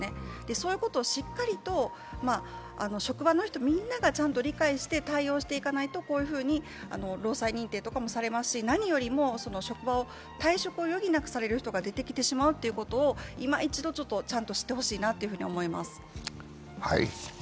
そういうことをしっかりと職場の人みんながちゃんと理解して対応していかないと、こういうふうに労災認定とかもされますし、何よりも退職を余儀なくされてしまう人が出てきてしまうことをいま一度、ちゃんと知ってほしいなと思います。